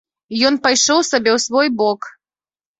Ён пайшоў сабе ў свой бок.